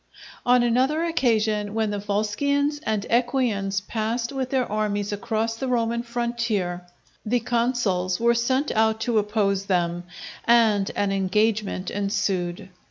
On another occasion when the Volscians and Equians passed with their armies across the Roman frontier, the consuls were sent out to oppose them, and an engagement ensued.